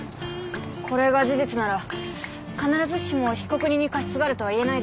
これが事実なら必ずしも被告人に過失があるとはいえないですね。